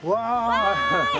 わい！